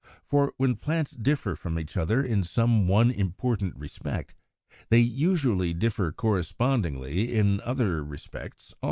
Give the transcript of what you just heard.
For when plants differ from each other in some one important respect, they usually differ correspondingly in other respects also.